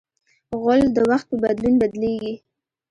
غول د وخت په بدلون بدلېږي.